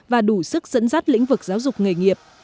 và đủ sức dẫn dắt lĩnh vực giáo dục nghề nghiệp